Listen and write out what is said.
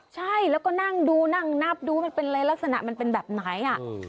ใช่แล้วก็นั่งดูนั่งนับดูรักษณะมันเป็นแบบไหน